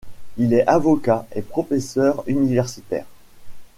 Il est avocat et professeur universitaire.